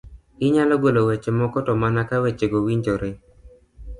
inyalo golo weche moko to mana ka wechego winjore.